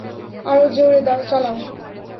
আরো জোরে চালাও!